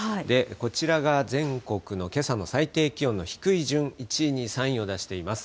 こちらが、全国のけさの最低気温の低い順、１位、２位、３位を出しています。